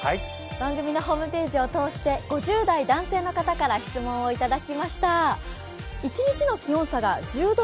番組のホームページを通して５０代男性の方から質問をいただきました。